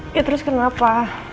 ya terus kenapa